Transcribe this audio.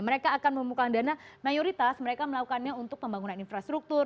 mereka akan membuka dana mayoritas mereka melakukannya untuk pembangunan infrastruktur